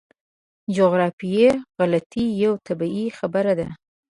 جغرافیایي غلطي یوه طبیعي خبره ده.